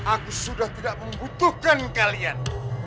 aku sudah tidak membutuhkan kalian